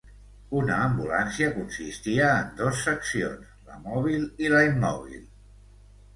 Una ambulància consistia en dos seccions, la mòbil i la immòbil.